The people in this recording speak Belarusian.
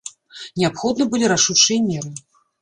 Неабходны былі рашучыя меры.